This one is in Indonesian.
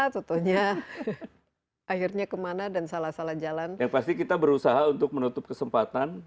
contohnya akhirnya kemana dan salah salah jalan pasti kita berusaha untuk menutup kesempatan